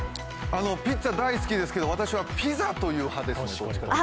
ピッツア大好きですけど、私はピザと言います。